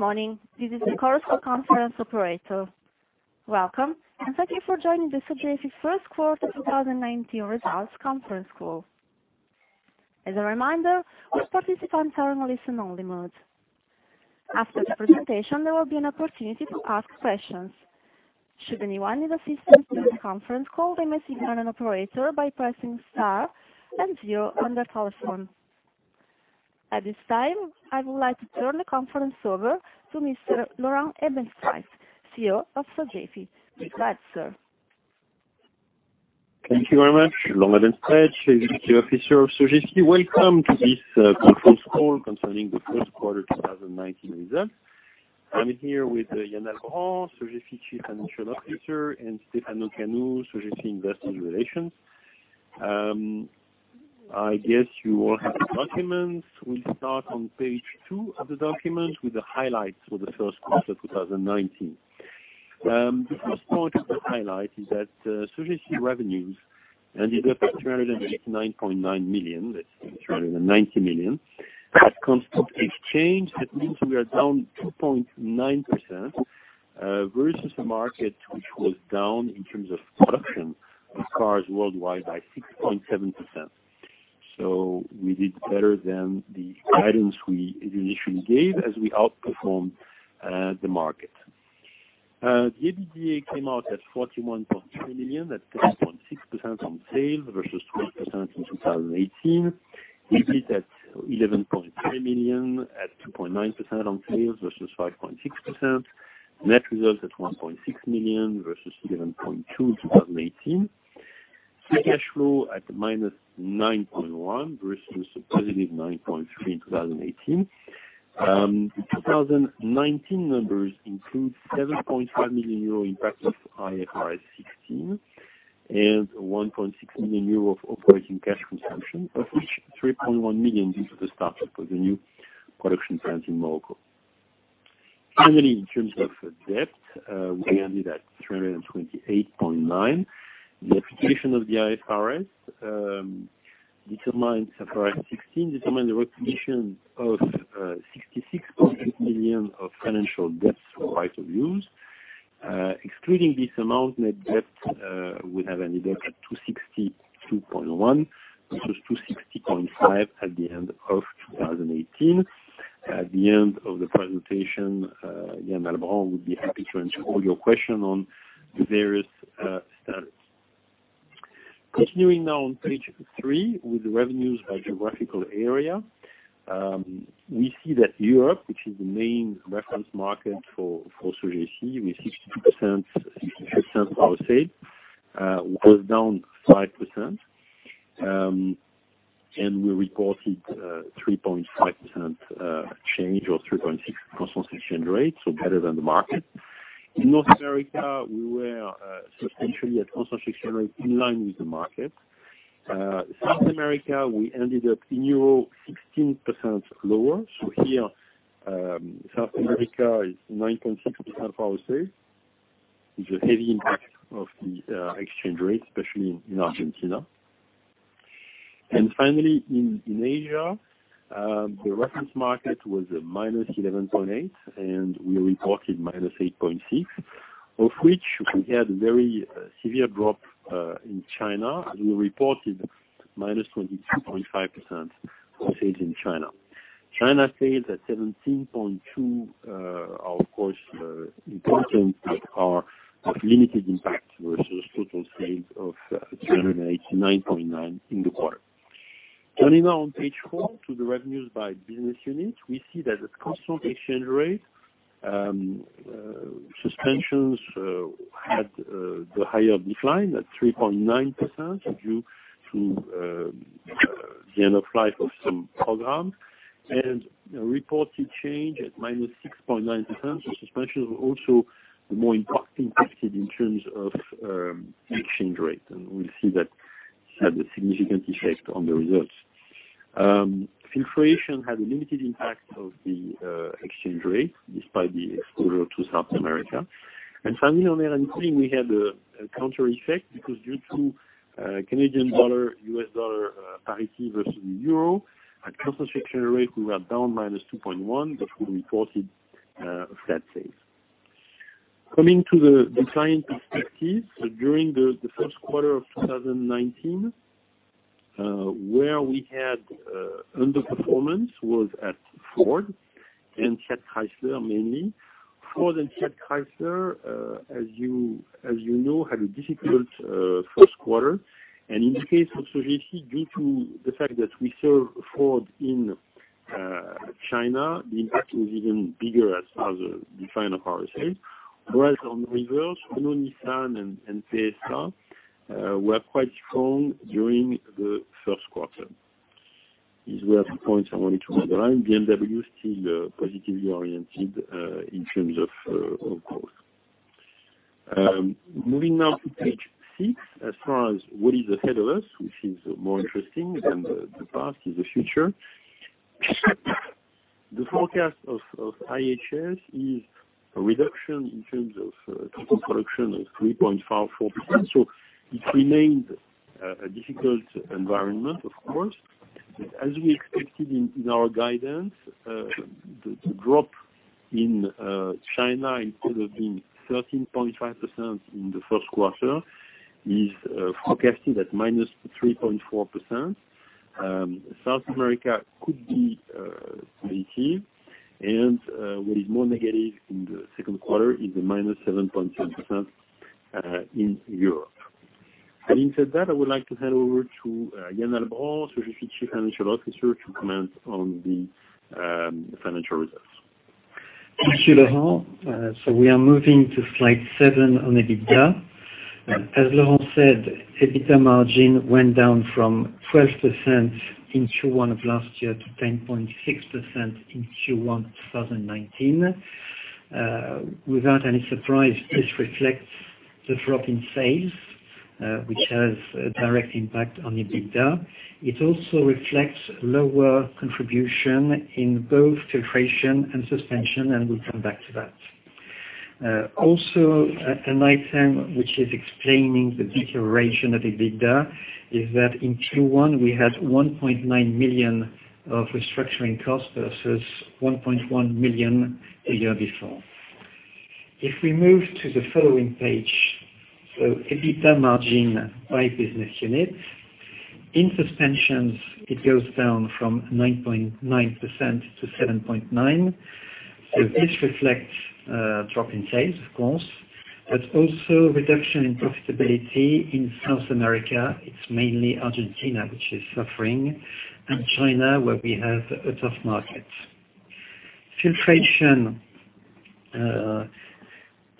Morning. This is the Chorus Call conference operator. Welcome, and thank you for joining the Sogefi first quarter 2019 results conference call. As a reminder, all participants are in listen-only mode. After the presentation, there will be an opportunity to ask questions. Should anyone need assistance during the conference call, they may signal an operator by pressing star and zero on their telephone. At this time, I would like to turn the conference over to Mr. Laurent Hebenstreit, CEO of Sogefi. Be glad, sir. Thank you very much. Laurent Hebenstreit, executive officer of Sogefi. Welcome to this conference call concerning the first quarter 2019 results. I am here with Yann Albrand, Sogefi Chief Financial Officer, and Stefano Canu, Sogefi Investor Relations. I guess you all have the documents. We will start on page two of the document with the highlights for the first quarter 2019. The first point of the highlight is that Sogefi revenues ended up at EUR 389.9 million. That is 390 million. At constant exchange, that means we are down 2.9% versus the market, which was down in terms of production of cars worldwide by 6.7%. We did better than the guidance we initially gave as we outperformed the market. The EBITDA came out at 41.3 million, that is 10.6% on sales versus 12% in 2018. EBIT at 11.3 million, at 2.9% on sales versus 5.6%. Net results at 1.6 million versus 11.2 in 2018. Free cash flow at -9.1 million versus a positive 9.3 million in 2018. The 2019 numbers include 7.5 million euro impact of IFRS 16 and 1.6 million euros of operating cash consumption, of which 3.1 million due to the start-up of the new production plant in Morocco. Finally, in terms of debt, we ended at 328.9 million. The application of the IFRS 16 determined the recognition of 66.8 million of financial debts right of use. Excluding this amount, net debt would have ended up at 262.1 million versus 260.5 million at the end of 2018. At the end of the presentation, Yann Albrand would be happy to answer all your question on the various status. Continuing now on page three with revenues by geographical area. We see that Europe, which is the main reference market for Sogefi, with 60% of our sales, was down 5%. We reported 3.5% change or 3.6 constant exchange rate, better than the market. In North America, we were substantially at constant exchange rate in line with the market. South America, we ended up in EUR 16% lower. Here, South America is 9.6% of our sales, with the heavy impact of the exchange rate, especially in Argentina. Finally, in Asia, the reference market was a minus 11.8, and we reported minus 8.6, of which we had a very severe drop in China. We reported minus 22.5% of sales in China. China sales at 17.2 million are, of course, important but are of limited impact versus total sales of 389.9 million in the quarter. Turning now on page four to the revenues by business unit. We see that at constant exchange rate, Suspensions had the higher decline at 3.9%, due to the end of life of some programs, and a reported change at -6.9%. Suspensions were also the more impacted in terms of exchange rate, and we'll see that had a significant effect on the results. Filtration had a limited impact of the exchange rate despite the exposure to South America. Finally, on Air and Cooling, we had a counter effect because due to Canadian dollar, US dollar parity versus the euro, at constant exchange rate, we were down -2.1%, but we reported flat sales. Coming to the decline per piece. During the first quarter of 2019, where we had underperformance was at Ford and Fiat Chrysler, mainly. Ford and Fiat Chrysler, as you know, had a difficult first quarter. In the case of Sogefi, due to the fact that we serve Ford in China, the impact was even bigger as far as the decline of our sales. Whereas on reverse, Renault Nissan and PSA were quite strong during the first quarter. These were the points I wanted to underline. BMW still positively oriented in terms of growth. Moving now to page six, as far as what is ahead of us, which is more interesting than the past, is the future. The forecast of IHS is a reduction in terms of total production of 3.4%, so it remains a difficult environment, of course. As we expected in our guidance, the drop in China, instead of being 13.5% in the first quarter, is forecasted at -3.4%. South America could be negative. What is more negative in the second quarter is the -7.7% in Europe. Having said that, I would like to hand over to Yann Albrand, Sogefi's Chief Financial Officer, to comment on the financial results. Thank you, Laurent. We are moving to slide seven on EBITDA. As Laurent said, EBITDA margin went down from 12% in Q1 of last year to 10.6% in Q1 2019. Without any surprise, this reflects the drop in sales, which has a direct impact on EBITDA. It also reflects lower contribution in both Filtration and Suspensions, and we'll come back to that. Also, an item which is explaining the deterioration of EBITDA is that in Q1, we had 1.9 million of restructuring costs versus 1.1 million a year before. If we move to the following page, EBITDA margin by business unit. In Suspensions, it goes down from 9.9% to 7.9%. This reflects a drop in sales, of course, but also reduction in profitability in South America. It's mainly Argentina which is suffering, and China, where we have a tough market. Filtration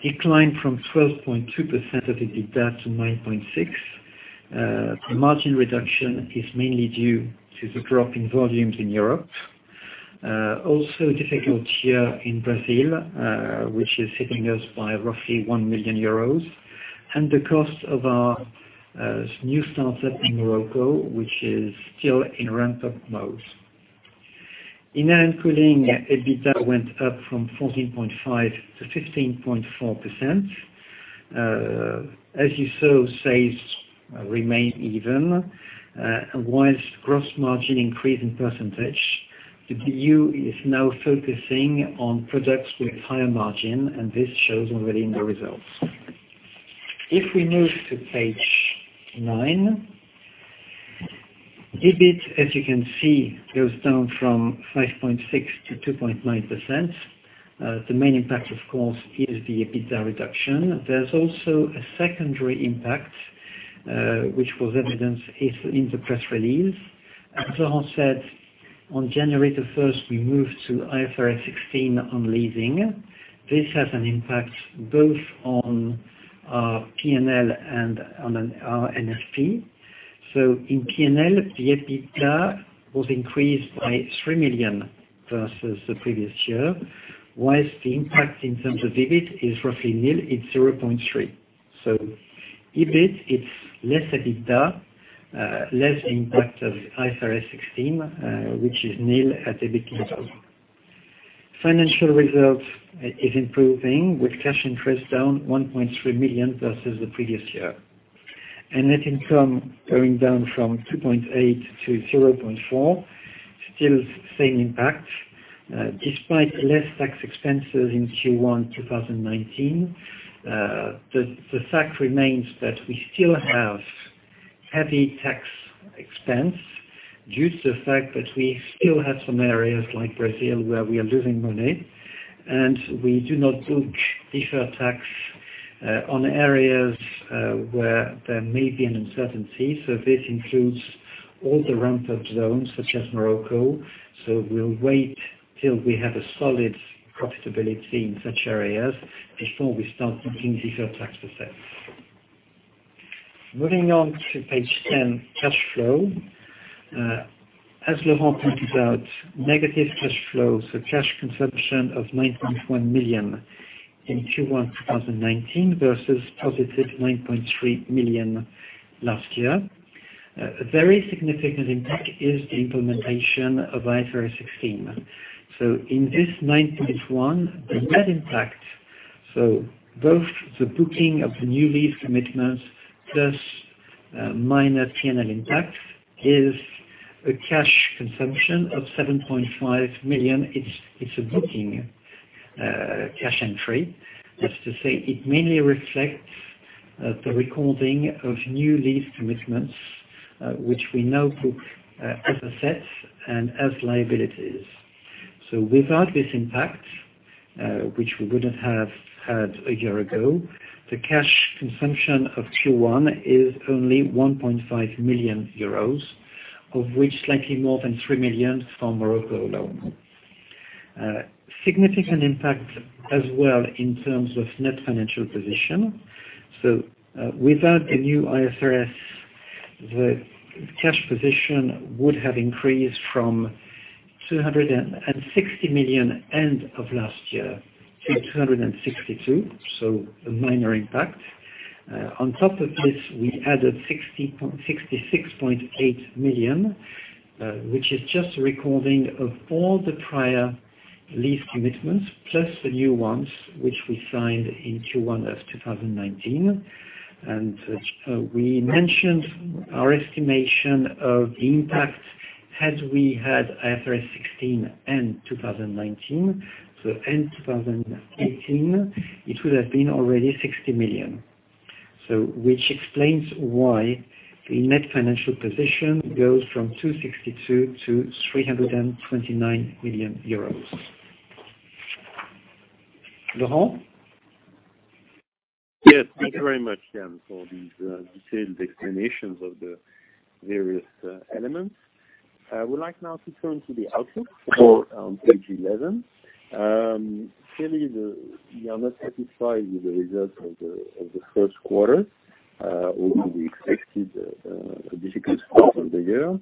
declined from 12.2% of EBITDA to 9.6%. The margin reduction is mainly due to the drop in volumes in Europe. Also difficult here in Brazil, which is hitting us by roughly 1 million euros. The cost of our new startup in Morocco, which is still in ramp-up mode. In Air and Cooling, EBITDA went up from 14.5% to 15.4%. As you saw, sales remain even, whilst gross margin increased in percentage. The BU is now focusing on products with higher margin, and this shows already in the results. If we move to page nine. EBIT, as you can see, goes down from 5.6% to 2.9%. The main impact, of course, is the EBITDA reduction. There's also a secondary impact, which was evidenced in the press release. As Laurent said, on January 1st, we moved to IFRS 16 on leasing. This has an impact both on our P&L and on our NFP. In P&L, the EBITDA was increased by 3 million versus the previous year, whilst the impact in terms of EBIT is roughly nil, it's 0.3 million. EBIT, it's less EBITDA, less impact of IFRS 16, which is nil at EBIT level. Financial results is improving, with cash interest down 1.3 million versus the previous year. Net income going down from 2.8 million to 0.4 million, still the same impact. Despite less tax expenses in Q1 2019, the fact remains that we still have heavy tax expense due to the fact that we still have some areas like Brazil where we are losing money, and we do not book deferred tax on areas where there may be an uncertainty. This includes all the ramp-up zones such as Morocco. We'll wait till we have a solid profitability in such areas before we start booking deferred tax assets. Moving on to page 10, cash flow. As Laurent pointed out, negative cash flow, cash consumption of 19.1 million in Q1 2019 versus positive 9.3 million last year. A very significant impact is the implementation of IFRS 16. In this 19.1 million, the net impact, both the booking of the new lease commitments plus minor P&L impact is a cash consumption of 7.5 million. It's a booking cash entry. That's to say, it mainly reflects the recording of new lease commitments, which we now book as assets and as liabilities. Without this impact, which we wouldn't have had a year ago, the cash consumption of Q1 is only 1.5 million euros, of which slightly more than 3 million from Morocco alone. A significant impact as well in terms of net financial position. Without a new IFRS, the cash position would have increased from 260 million end of last year to 262 million, a minor impact. On top of this, we added 66.8 million, which is just a recording of all the prior lease commitments, plus the new ones which we signed in Q1 2019. We mentioned our estimation of the impact had we had IFRS 16 in 2019. In 2018, it would have been already 60 million. Which explains why the net financial position goes from 262 million to 329 million euros. Laurent? Thank you very much, Yann, for these detailed explanations of the various elements. I would like now to turn to the outlook on page 11. Clearly, we are not satisfied with the results of the first quarter or with the expected difficult start of the year.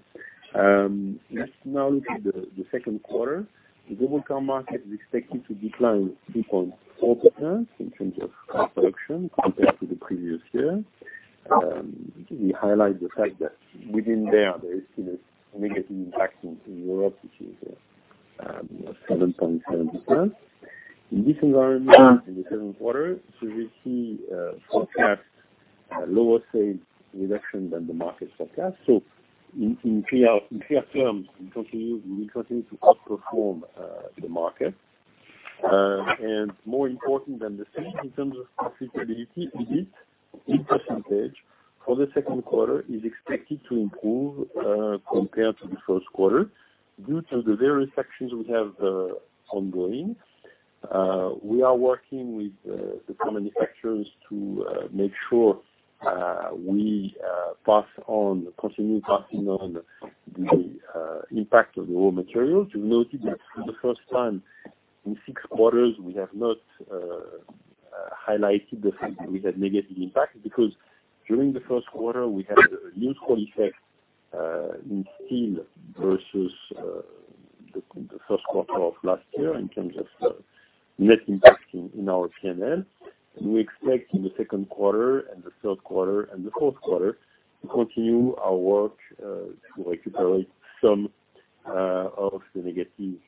Let's now look at the second quarter. The global car market is expected to decline 3.4% in terms of car production compared to the previous year. We highlight the fact that within there is still a negative impact in Europe, which is 7.7%. In this environment, in the second quarter, we will see forecast lower sales reduction than the market forecast. In clear terms, we continue to outperform the market. More important than the sales, in terms of profitability, EBIT in percentage for the second quarter is expected to improve compared to the first quarter due to the various actions we have ongoing. We are working with the car manufacturers to make sure we continue passing on the impact of the raw materials. You noted that for the first quarter, in six quarters, we have not highlighted the fact that we had negative impact because during the first quarter, we had a neutral effect in steel versus the first quarter of last year in terms of net impact in our P&L. We expect in the second quarter and the third quarter and the fourth quarter to continue our work to recuperate some of the negative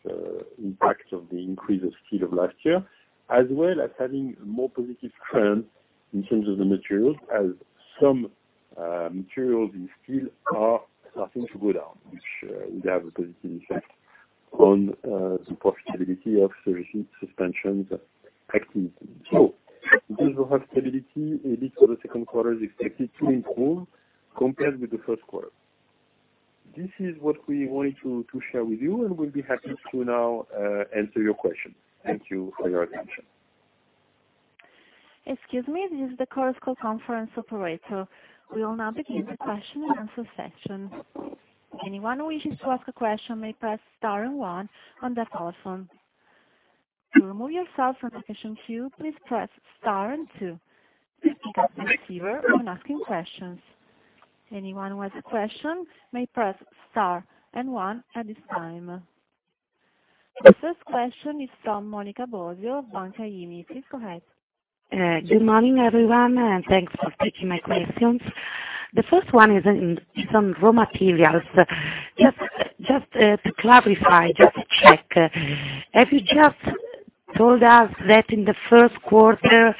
impact of the increase of steel of last year, as well as having a more positive trend in terms of the materials as some materials in steel are starting to go down, which would have a positive effect on the profitability of Sogefi Suspensions activity. This profitability, EBIT for the second quarter, is expected to improve compared with the first quarter. This is what we wanted to share with you, and we'll be happy to now answer your questions. Thank you for your attention. Excuse me, this is the Chorus Call conference operator. We will now begin the question and answer session. Anyone who wishes to ask a question may press star and one on their telephone. To remove yourself from the question queue, please press star and two. Please pick up the receiver when asking questions. Anyone who has a question may press star and one at this time. The first question is from Monica Bosio of Bank of America. Please go ahead. Good morning, everyone, and thanks for taking my questions. The first one is on raw materials. Just to clarify, just to check, have you just told us that in the first quarter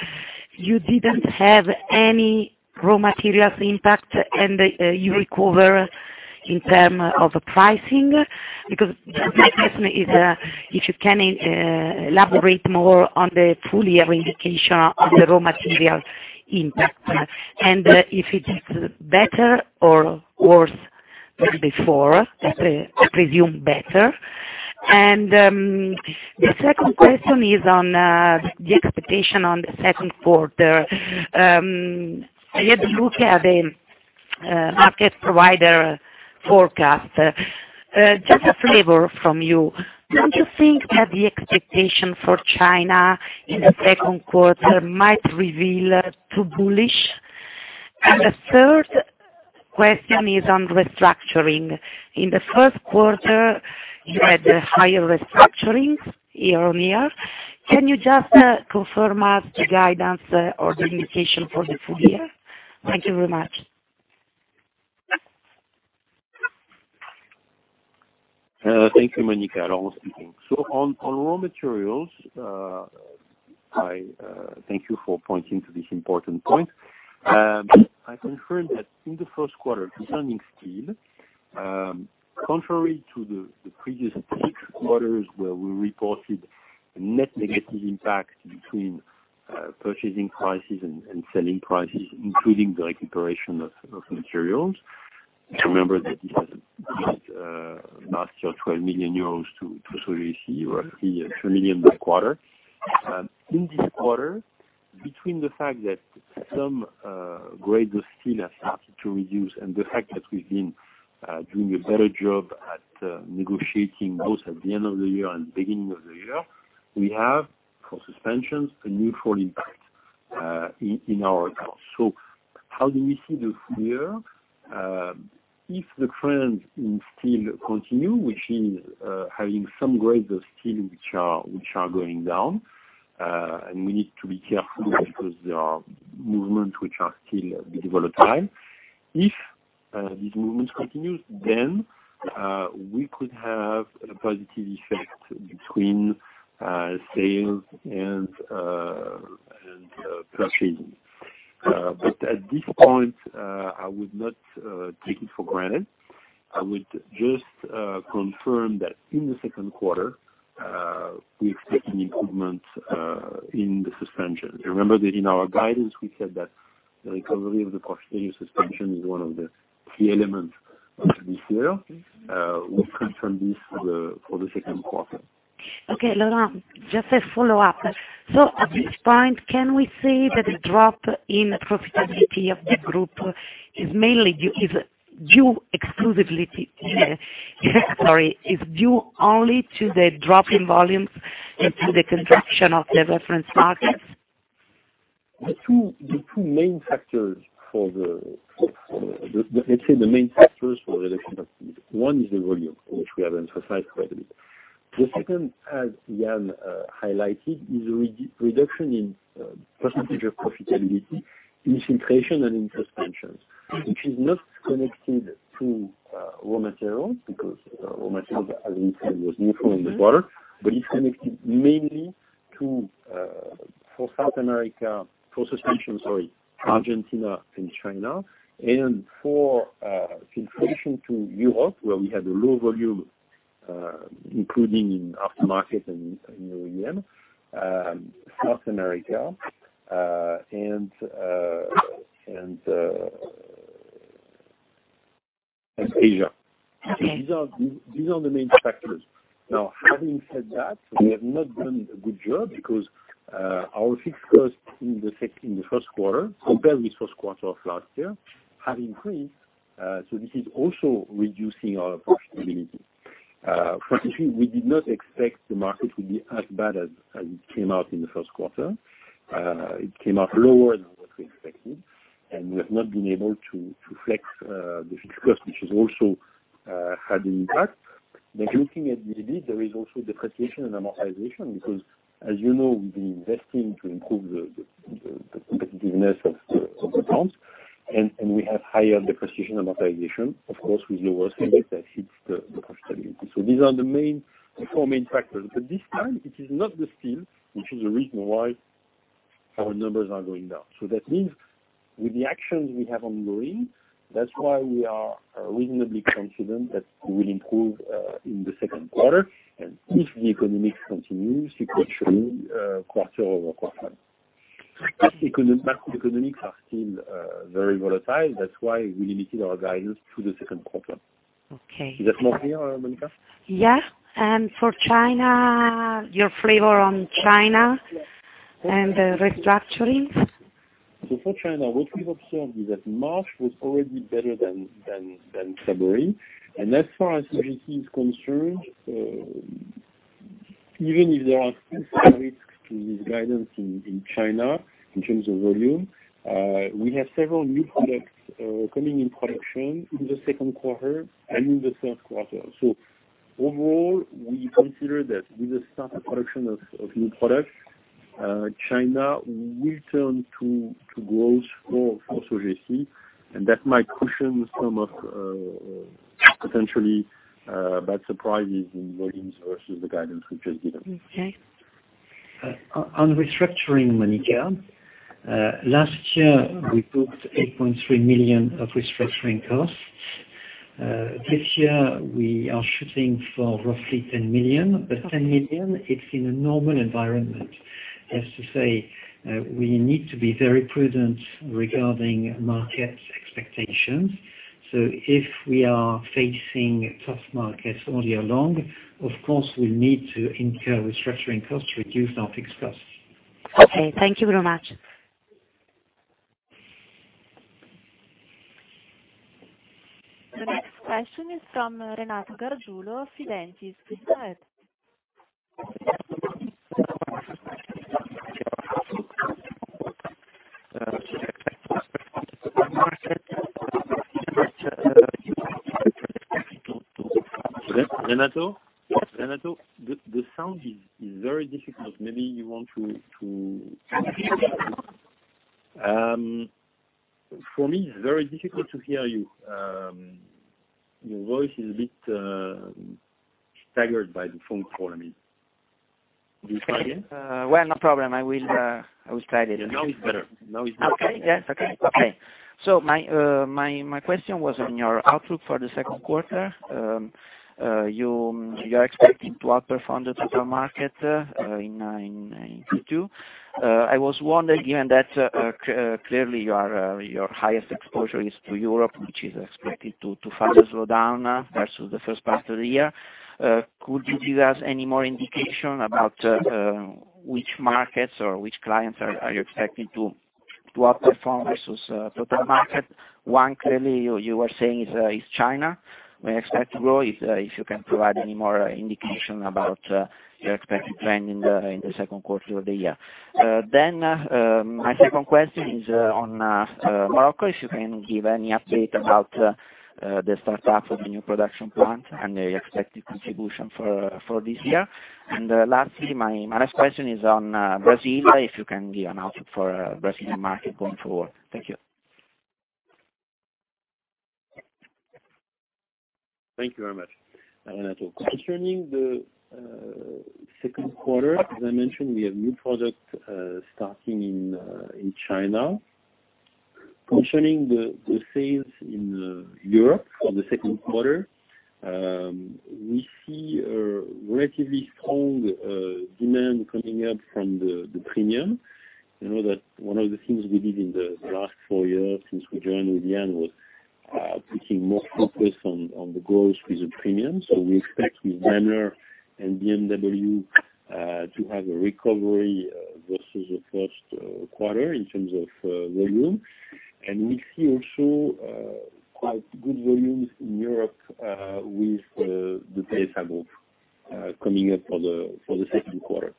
you didn't have any raw materials impact and you recover in terms of pricing? My question is if you can elaborate more on the full year indication on the raw material impact and if it is better or worse than before. I presume better. The second question is on the expectation on the second quarter. I had a look at the market provider forecast. Just a flavor from you. Don't you think that the expectation for China in the second quarter might reveal too bullish? The third question is on restructuring. In the first quarter, you had higher restructuring year-on-year. Can you just confirm us the guidance or the indication for the full year? Thank you very much. Thank you, Monica. Laurent speaking. On raw materials, thank you for pointing to this important point. I confirm that in the first quarter concerning steel, contrary to the previous three quarters where we reported a net negative impact between purchasing prices and selling prices, including the recuperation of materials. Remember that this has been last year 12 million euros to Suspensions, roughly 3 million per quarter. In this quarter, between the fact that some grades of steel have started to reduce and the fact that we've been doing a better job at negotiating both at the end of the year and beginning of the year, we have, for Suspensions, a neutral impact in our accounts. How do we see the full year? If the trends in steel continue, which is having some grades of steel which are going down, and we need to be careful because there are movements which are still a bit volatile. If these movements continue, we could have a positive effect between sales and purchasing. At this point, I would not take it for granted. I would just confirm that in the second quarter, we expect an improvement in the Suspensions. Remember that in our guidance, we said that the recovery of the Suspensions is one of the key elements of this year. We confirm this for the second quarter. Okay, Laurent, just a follow-up. At this point, can we say that the drop in profitability of the group is due only to the drop in volumes and to the contraction of the reference markets? The main factors for reduction are, one is the volume, which we have emphasized quite a bit. The second, as Yann highlighted, is a reduction in percentage of profitability in Filtration and in Suspensions, which is not connected to raw materials, because raw material, as we said, was neutral in the quarter. It's connected mainly to South America for Suspensions, Argentina, and China, and for Filtration to Europe, where we had a low volume, including in aftermarket and OEM, South America, and Asia. Okay. These are the main factors. Having said that, we have not done a good job because our fixed costs in the first quarter, compared with first quarter of last year, have increased. This is also reducing our profitability. Frankly, we did not expect the market to be as bad as it came out in the first quarter. It came out lower than what we expected, and we have not been able to flex the fixed cost, which has also had an impact. Looking at the EBIT, there is also depreciation and amortization, because as you know, we've been investing to improve the competitiveness of the plants, and we have higher depreciation and amortization. Of course, with lower sales, that hits the profitability. These are the four main factors. This time, it is not the steel, which is the reason why our numbers are going down. That means with the actions we have ongoing, that's why we are reasonably confident that we will improve in the second quarter. If the economics continues, it could show quarter-over-quarter. Macroeconomics are still very volatile. That's why we limited our guidance to the second quarter. Okay. Is that more clear, Monica? For China, your flavor on China and the restructurings? For China, what we've observed is that March was already better than February. As far as Sogefi is concerned, even if there are still some risks to this guidance in China, in terms of volume, we have several new products coming in production in the second quarter and in the third quarter. Overall, we consider that with the start of production of new products, China will turn to growth for Sogefi, and that might cushion some of potentially bad surprises in volumes versus the guidance we just gave. Okay. On restructuring, Monica, last year we booked 8.3 million of restructuring costs. This year, we are shooting for roughly 10 million, 10 million, it's in a normal environment. That's to say, we need to be very prudent regarding market expectations. If we are facing tough markets all year long, of course, we'll need to incur restructuring costs to reduce our fixed costs. Okay. Thank you very much. The next question is from Renato Gargiulo, Fidentiis. Go ahead. Renato? Yes. Renato, the sound is very difficult. For me, it's very difficult to hear you. Your voice is a bit staggered by the phone call, I mean. Will you try again? Well, no problem. I will try it again. Now it's better. My question was on your outlook for the second quarter. You're expecting to outperform the total market in 2022. I was wondering, given that clearly your highest exposure is to Europe, which is expected to further slow down versus the first part of the year, could you give us any more indication about which markets or which clients are you expecting to outperform versus total market? One, clearly, you were saying is China, where you expect to grow. If you can provide any more indication about your expected trend in the second quarter of the year. My second question is on Morocco, if you can give any update about the startup of the new production plant and the expected contribution for this year. Lastly, my last question is on Brazil, if you can give an outlook for Brazilian market going forward. Thank you. Thank you very much, Renato. Concerning the second quarter, as I mentioned, we have new products starting in China. Concerning the sales in Europe for the second quarter, we see a relatively strong demand coming up from the premium. You know that one of the things we did in the last four years since we joined with Yann was putting more focus on the growth with the premium. We expect with Daimler and BMW to have a recovery versus the first quarter in terms of volume. We see also quite good volumes in Europe with the PSA Group coming up for the second quarter.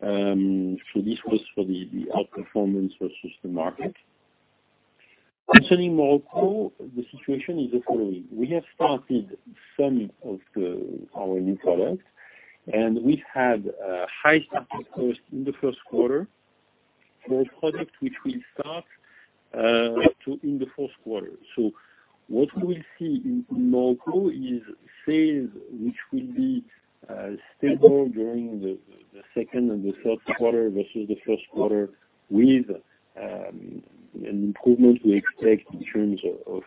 This was for the outperformance versus the market. Concerning Morocco, the situation is the following. We have started some of our new products, and we've had high startup costs in the first quarter for a product which will start in the fourth quarter. What we will see in Morocco is sales, which will be stable during the second and the third quarter versus the first quarter with an improvement we expect in terms of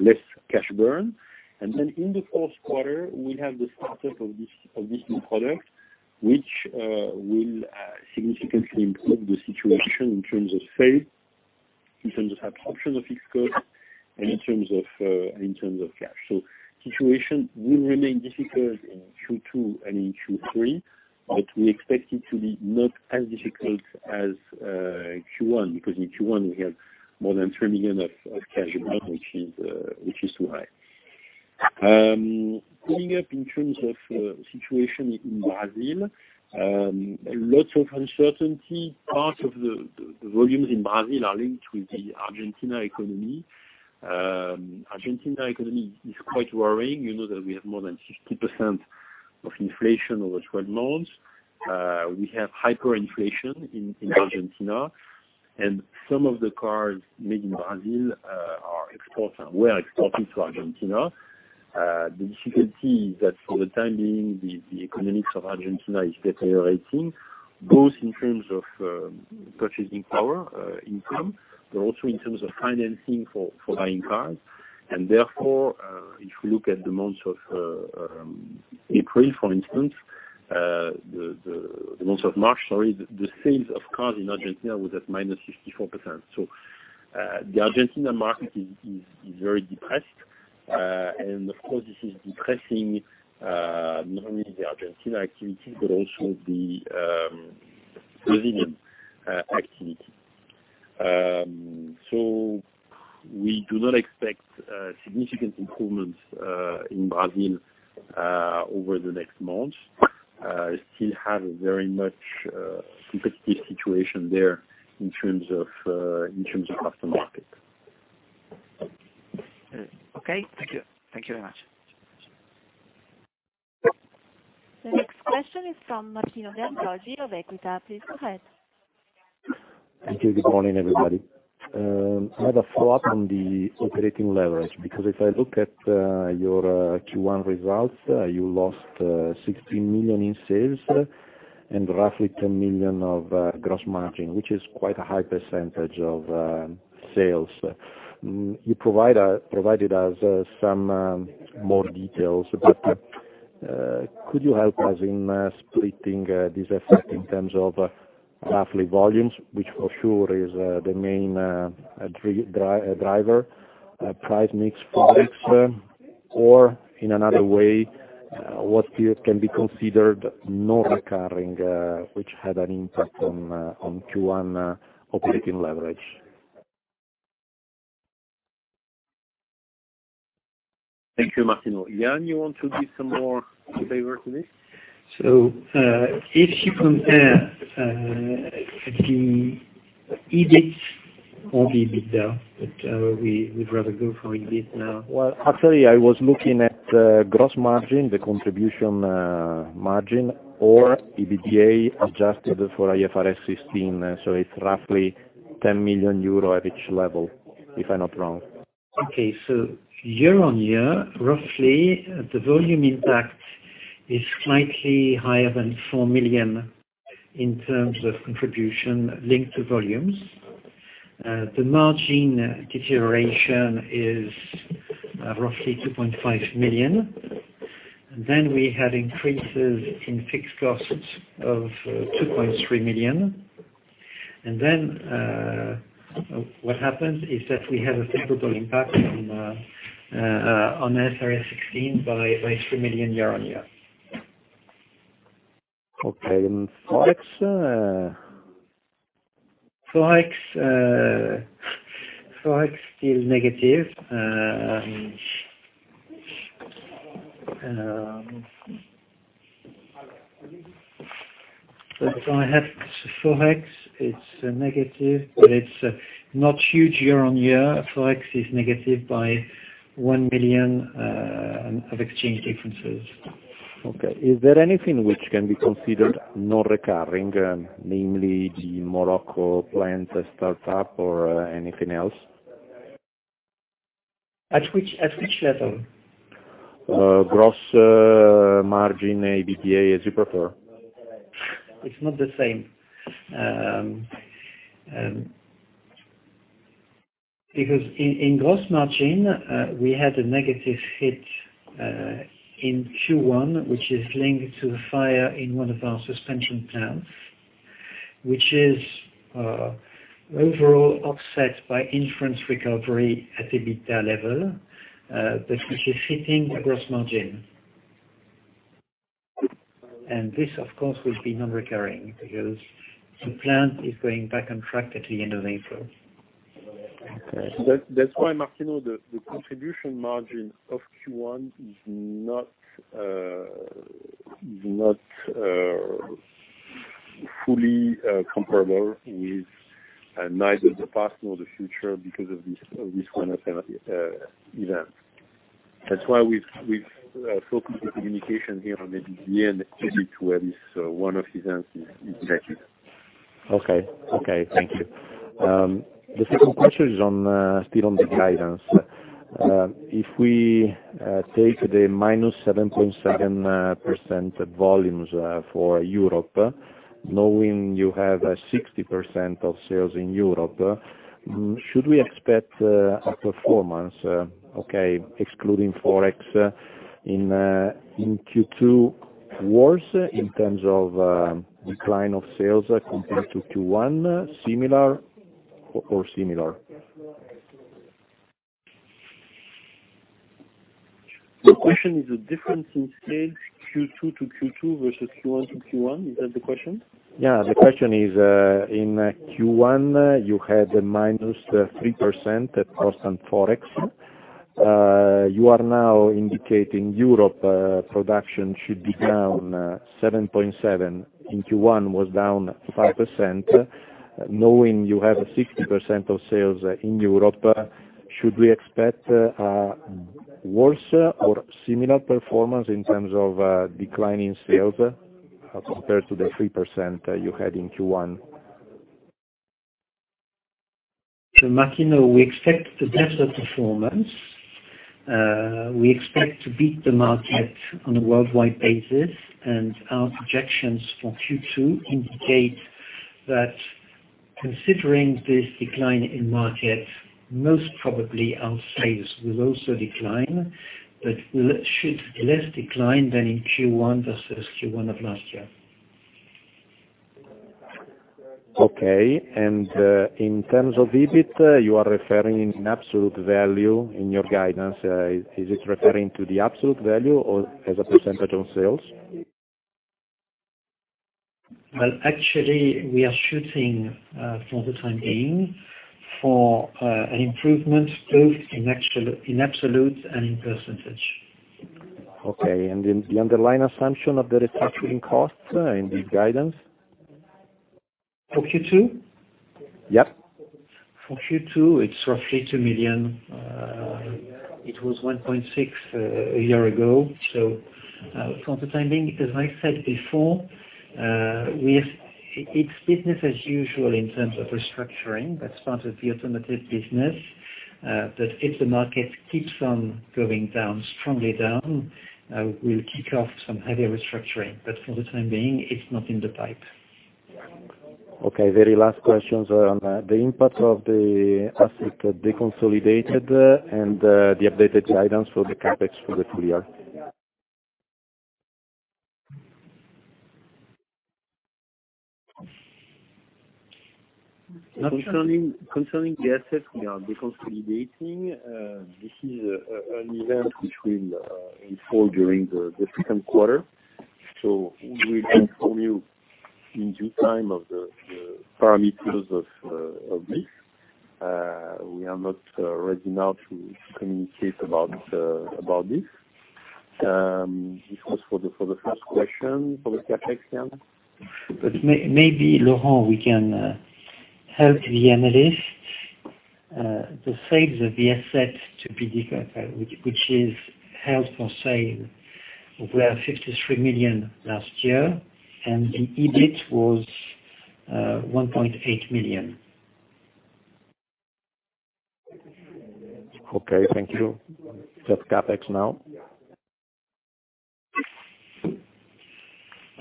less cash burn. In the fourth quarter, we'll have the startup of this new product, which will significantly improve the situation in terms of sales, in terms of absorption of fixed costs, and in terms of cash. The situation will remain difficult in Q2 and in Q3, but we expect it to be not as difficult as Q1. In Q1, we have more than 3 million of cash burn, which is too high. Coming up in terms of situation in Brazil, lots of uncertainty. Part of the volumes in Brazil are linked with the Argentina economy. Argentina economy is quite worrying. You know that we have more than 50% inflation over 12 months. We have hyperinflation in Argentina. Some of the cars made in Brazil were exported to Argentina. The difficulty is that for the time being, the economics of Argentina is deteriorating, both in terms of purchasing power, income, but also in terms of financing for buying cars. Therefore, if you look at the months of April, for instance, the months of March, sorry, the sales of cars in Argentina was at -54%. The Argentina market is very depressed. Of course, this is depressing not only the Argentina activity but also the Brazilian activity. We do not expect significant improvements in Brazil over the next months. Still have a very much competitive situation there in terms of aftermarket. Okay. Thank you. Thank you very much. The next question is from Martino De Angelis of Equita. Please go ahead. Thank you. Good morning, everybody. I have a follow-up on the operating leverage, because if I look at your Q1 results, you lost 16 million in sales and roughly 10 million of gross margin, which is quite a high percentage of sales. You provided us some more details, but could you help us in splitting this effect in terms of roughly volumes, which for sure is the main driver, price mix, ForEx? Or in another way, what still can be considered non-recurring, which had an impact on Q1 operating leverage. Thank you, Martino. Yann, you want to do some more flavor to this? If you compare the EBIT or the EBITDA, we would rather go for EBIT now. Actually, I was looking at gross margin, the contribution margin, or EBITDA adjusted for IFRS 16. It's roughly 10 million euro at each level, if I'm not wrong. Year-over-year, roughly, the volume impact is slightly higher than 4 million in terms of contribution linked to volumes. The margin deterioration is roughly 2.5 million. We have increases in fixed costs of 2.3 million. What happens is that we have a favorable impact on IFRS 16 by EUR 3 million year-over-year. Okay. ForEx? ForEx, still negative. I have ForEx, it's negative, but it's not huge year-on-year. ForEx is negative by 1 million of exchange differences. Okay. Is there anything which can be considered non-recurring, namely the Morocco plant startup or anything else? At which level? Gross margin, EBITDA, as you prefer. In gross margin, we had a negative hit in Q1, which is linked to the fire in one of our Suspensions plants, which is overall offset by insurance recovery at EBITDA level, which is hitting the gross margin. This, of course, will be non-recurring because the plant is going back on track at the end of April. That's why, Martino, the contribution margin of Q1 is not fully comparable with neither the past nor the future because of this one event. That's why we've focused the communication here on the EBITDA, excluding to where this one-off event is negative. Okay. Thank you. The second question is still on the guidance. If we take the -7.7% volumes for Europe, knowing you have 60% of sales in Europe, should we expect a performance, okay, excluding Forex in Q2 worse in terms of decline of sales compared to Q1 or similar? The question is the difference in sales Q2 to Q2 versus Q1 to Q1? Is that the question? Yeah. The question is, in Q1, you had a -3% constant Forex. You are now indicating Europe production should be down 7.7%. In Q1, was down 5%. Knowing you have 60% of sales in Europe, should we expect a worse or similar performance in terms of decline in sales as compared to the 3% you had in Q1? Martino, we expect a better performance. We expect to beat the market on a worldwide basis, and our projections for Q2 indicate that considering this decline in market, most probably our sales will also decline, but should less decline than in Q1 versus Q1 of last year. Okay. In terms of EBIT, you are referring in absolute value in your guidance. Is it referring to the absolute value or as a percentage of sales? Well, actually, we are shooting, for the time being, for an improvement both in absolute and in percentage. Okay. The underlying assumption of the restructuring costs in this guidance? For Q2? Yep. For Q2, it's roughly 2 million. It was 1.6 a year ago. For the time being, as I said before, it's business as usual in terms of restructuring. That's part of the automotive business. If the market keeps on going down, strongly down, we'll kick off some heavier restructuring. For the time being, it's not in the pipe. Okay. Very last questions on the impact of the asset deconsolidated and the updated guidance for the CapEx for the full year. Concerning the assets we are deconsolidating, this is an event which will unfold during the second quarter. We will inform you in due time of the parameters of this. We are not ready now to communicate about this. This was for the first question. For the CapEx, Yann? Maybe, Laurent, we can help the analysts. The sales of the asset to be declared, which is held for sale, were 53 million last year, and the EBIT was 1.8 million. Okay, thank you. Just CapEx now.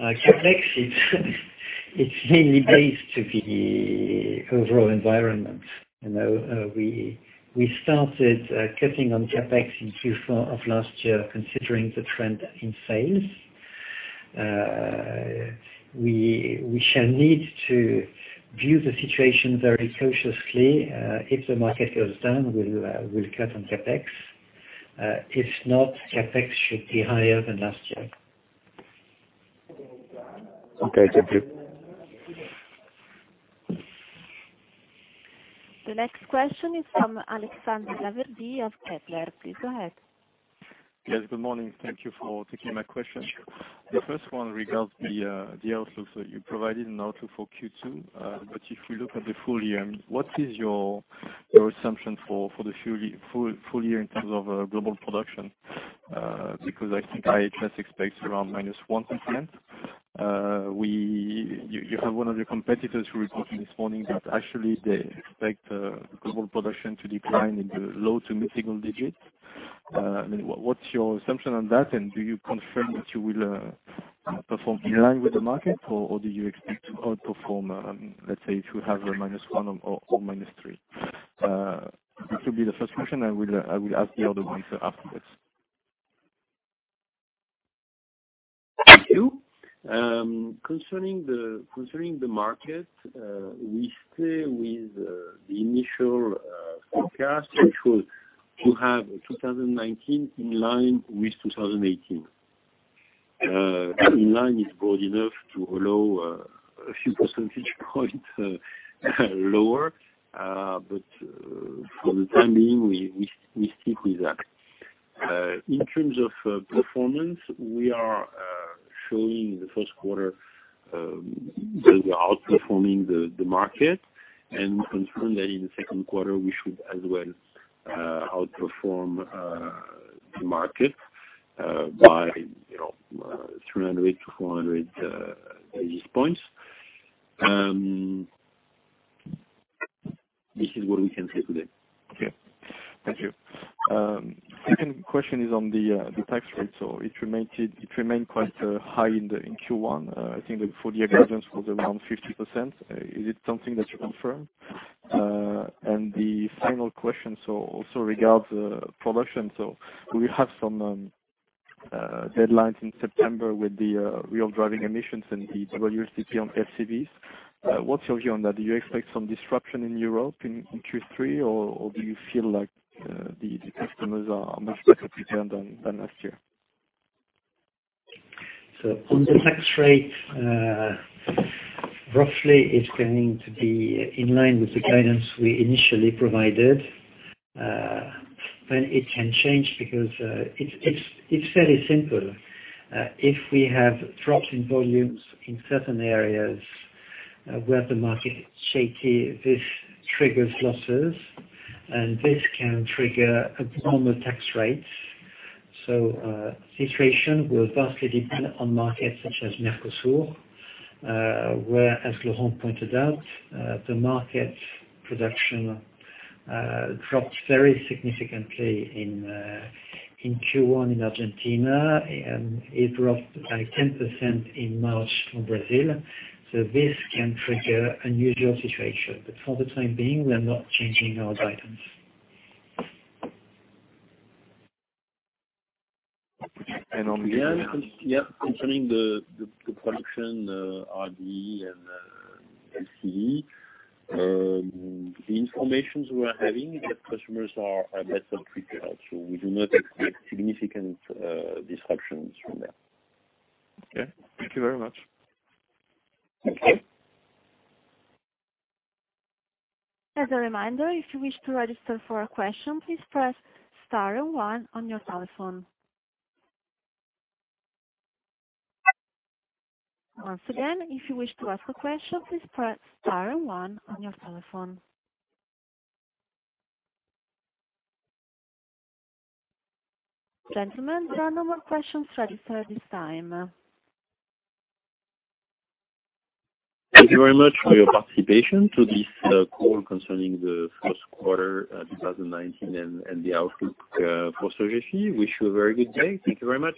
CapEx, it's mainly based to the overall environment. We started cutting on CapEx in Q4 of last year, considering the trend in sales. We shall need to view the situation very cautiously. If the market goes down, we'll cut on CapEx. If not, CapEx should be higher than last year. Okay. Thank you. The next question is from Alexandre Laferrière of Kepler. Please go ahead. Yes, good morning. Thank you for taking my question. The first one regards the outlook. You provided an outlook for Q2. If you look at the full year, what is your assumption for the full year in terms of global production? Because I think IHS expects around minus 1%. You have one of your competitors who reported this morning that actually they expect global production to decline into low to mid single digits. What's your assumption on that, and do you confirm that you will perform in line with the market, or do you expect to outperform, let's say, if you have a minus one or minus three? It will be the first question, I will ask the other ones afterwards. Thank you. Concerning the market, we stay with the initial forecast, which was to have 2019 in line with 2018. In line is broad enough to allow a few percentage points lower. For the time being, we stick with that. In terms of performance, we are showing the first quarter that we are outperforming the market, and we confirm that in the second quarter, we should as well outperform the market by 300 to 400 basis points. This is what we can say today. Okay. Thank you. Second question is on the tax rate. It remained quite high in Q1. I think the full-year guidance was around 50%. Is it something that you confirm? The final question also regards production. We have some deadlines in September with the Real Driving Emissions and the WLTP on FCEVs. What's your view on that? Do you expect some disruption in Europe in Q3, or do you feel like the customers are much better prepared than last year? On the tax rate, roughly it's going to be in line with the guidance we initially provided. It can change because it's fairly simple. If we have drops in volumes in certain areas where the market is shaky, this triggers losses, and this can trigger abnormal tax rates. Situation will vastly depend on markets such as Mercosur, where, as Laurent pointed out, the market production dropped very significantly in Q1 in Argentina, and it dropped by 10% in March from Brazil. This can trigger unusual situation. For the time being, we are not changing our guidance. On the- Yeah, concerning the production, RDE, and FCV. The information we are having, that customers are better prepared, so we do not expect significant disruptions from there. Okay. Thank you very much. Okay. As a reminder, if you wish to register for a question, please press star and 1 on your telephone. Once again, if you wish to ask a question, please press star and 1 on your telephone. Gentlemen, there are no more questions registered at this time. Thank you very much for your participation to this call concerning the first quarter 2019 and the outlook for Sogefi. Wish you a very good day. Thank you very much.